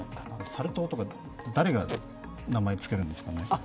サル痘とか、誰が名前をつけるんですかね。